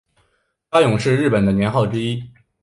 嘉永是日本的年号之一。